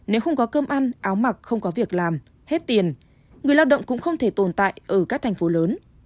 nếu không có cơm ăn áo mặc không có việc làm hết tiền người lao động cũng không thể tồn tại ở các thành phố lớn